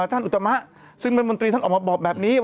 อันนั้นพริกเขียว